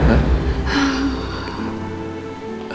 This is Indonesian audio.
gak usah terlalu difikirin ya